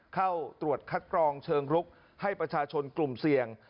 เข้าตรวจคัดกรองเชิงรุกให้ประชาชนกลุ่มเสี่ยง